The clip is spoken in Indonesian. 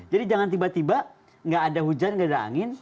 jadi jangan tiba tiba tidak ada hujan tidak ada angin